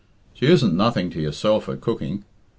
She isn't nothing to yourself at cooking.